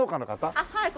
あっはい。